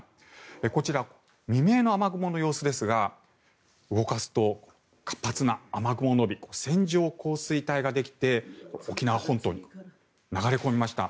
こちら、未明の雨雲の様子ですが動かすと、活発な雨雲の帯線状降水帯ができて沖縄本島に流れ込みました。